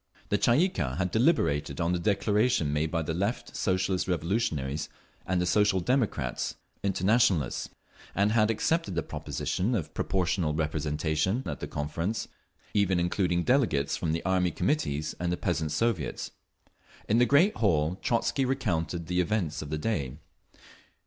… The Tsay ee kah had deliberated on the declaration made by the Left Socialist Revolutionaries and the Social Democrats Internationalists, and had accepted the proposition of proportional representation at the conference, even including delegates from the Army Committees and the Peasants' Soviets…. In the great hall, Trotzky recounted the events of the day.